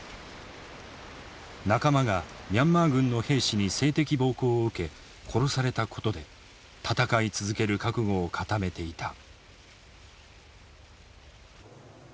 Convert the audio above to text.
仲間がミャンマー軍の兵士に性的暴行を受け殺されたことで戦い続ける覚悟を固めていた。